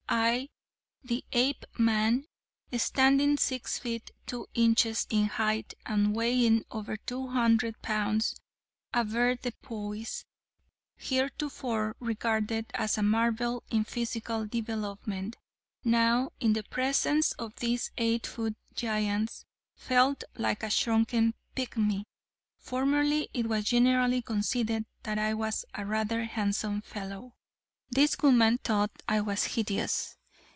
I, the Apeman, standing six feet two inches in height and weighing over two hundred pounds avoirdupois, heretofore regarded as a marvel in physical development, now, in the presence of these eight foot giants, felt like a shrunken pigmy. Formerly it was generally conceded that I was a rather handsome fellow. This woman thought I was hideous.